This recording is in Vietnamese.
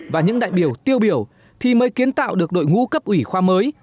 và những đại biểu tiêu biểu thì mới kiến tạo được đội ngũ cấp ủy khoa mới